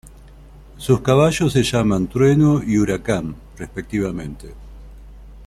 Sus caballos se llaman Trueno y Huracán, respectivamente.